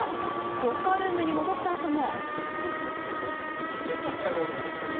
ロッカールームに戻ったあとも。